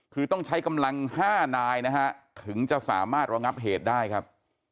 คือต้องใช้กำลัง๕นายนะฮะถึงจะสามารถระงับเหตุได้ครับ